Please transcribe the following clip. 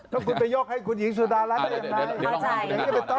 ถ้าคุณไปยอกให้คุณหญิงสุดารัฐไม่ได้